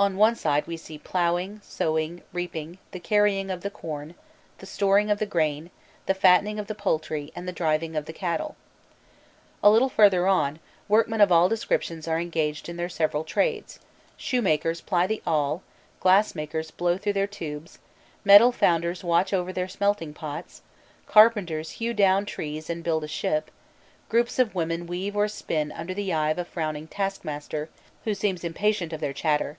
On one side we see ploughing, sowing, reaping, the carrying of the corn, the storing of the grain, the fattening of the poultry, and the driving of the cattle. A little further on, workmen of all descriptions are engaged in their several trades: shoemakers ply the awl, glassmakers blow through their tubes, metal founders watch over their smelting pots, carpenters hew down trees and build a ship; groups of women weave or spin under the eye of a frowning taskmaster, who seems impatient of their chatter.